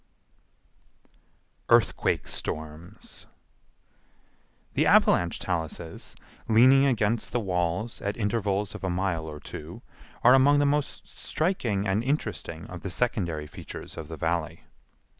Earthquake Storms The avalanche taluses, leaning against the walls at intervals of a mile or two, are among the most striking and interesting of the secondary features of the Valley.